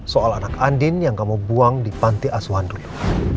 soal anak andien yang kamu buang di pantai asuhan dulu